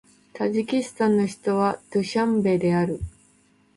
タジキスタンの首都はドゥシャンベである